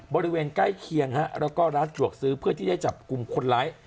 บริเวณใกล้เคียงแล้วก็ร้านสะดวกซื้อเพื่อที่ได้จับกลุ่มคนร้าย